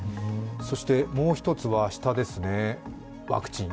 そしてもう一つは、パンワクチン。